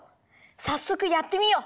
さっそくやってみよう！